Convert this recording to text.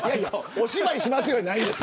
お芝居しますよじゃないんです。